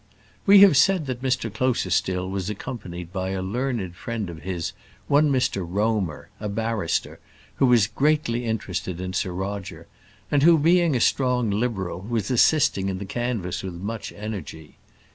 We have said that Mr Closerstil was accompanied by a learned friend of his, one Mr Romer, a barrister, who was greatly interested in Sir Roger, and who, being a strong Liberal, was assisting in the canvass with much energy.